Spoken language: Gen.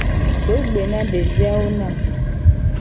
Do gbe na devi awo na mu.